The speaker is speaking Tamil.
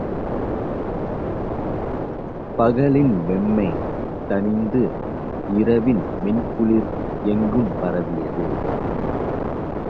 பகலின் வெம்மை தணிந்து இரவின் மென்குளிர் எங்கும் பரவியது.